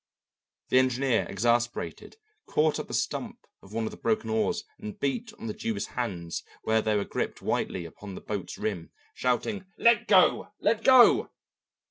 The engineer, exasperated, caught up the stump of one of the broken oars and beat on the Jew's hands where they were gripped whitely upon the boat's rim, shouting, "Let go! let go!"